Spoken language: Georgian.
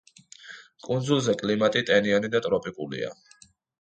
კუნძულზე კლიმატი ტენიანი და ტროპიკულია.